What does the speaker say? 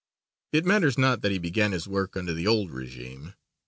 It matters not that he began his work under the old regime.